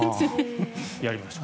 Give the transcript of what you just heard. やりました。